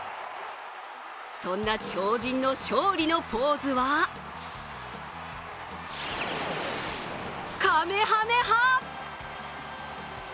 そんな超人の勝利のポーズはかめはめ波。